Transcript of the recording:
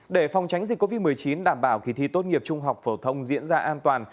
để phòng tránh dịch covid một mươi chín đảm bảo kỳ thi tốt nghiệp trung học phổ thông diễn ra an toàn